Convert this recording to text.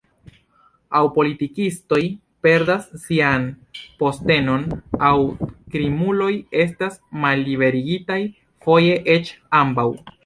Aŭ politikistoj perdas sian postenon, aŭ krimuloj estas malliberigitaj, foje eĉ ambaŭ.